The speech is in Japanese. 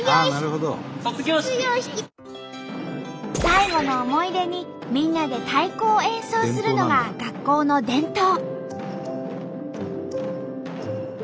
最後の思い出にみんなで太鼓を演奏するのが学校の伝統。